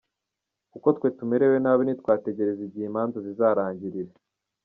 Kuko twe tumerewe nabi ntitwategereza igihe imanza zizarangirira.